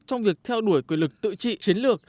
trong việc theo đuổi quyền lực tự trị chiến lược